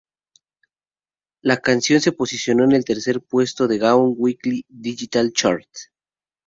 La canción se posicionó en el tercer puesto en Gaon Weekly Digital Chart.